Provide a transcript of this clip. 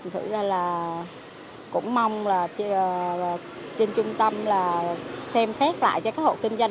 thực ra là cũng mong là trên trung tâm là xem xét lại cho các hộ kinh doanh